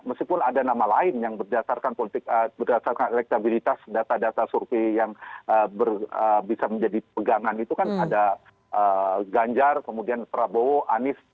meskipun ada nama lain yang berdasarkan elektabilitas data data survei yang bisa menjadi pegangan itu kan ada ganjar kemudian prabowo anies